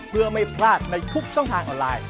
เพื่อไม่พลาดในทุกช่องทางออนไลน์